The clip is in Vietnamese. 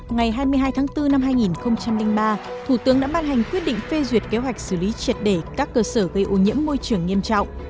ngày hai mươi hai tháng bốn năm hai nghìn ba thủ tướng đã ban hành quyết định phê duyệt kế hoạch xử lý triệt để các cơ sở gây ô nhiễm môi trường nghiêm trọng